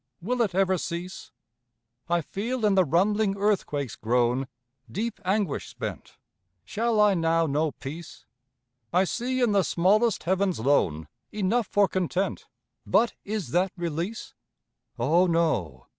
Will it ever cease? I feel in the rumbling earthquake's groan Deep anguish spent. Shall I now know peace? I see in the smallest heaven's loan Enough for content But is that release? O no!